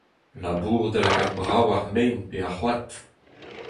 Labour da lakaat brav ar mein pe ar c'hoad.